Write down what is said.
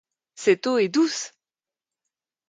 Cette eau est douce !